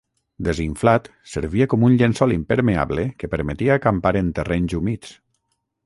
Desinflat, servia com un llençol impermeable que permetia acampar en terrenys humits.